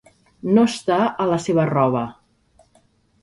No està a la seva roba.